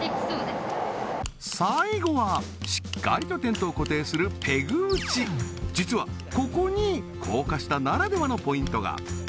最後はしっかりとテントを固定するペグ打ち実はここに高架下ならではのポイントが！